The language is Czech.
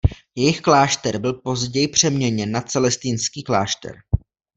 Jejich klášter byl později přeměněn na celestýnský klášter.